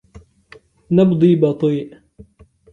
نبضي بطيء.